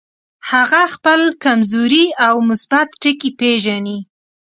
هغه خپل کمزوري او مثبت ټکي پېژني.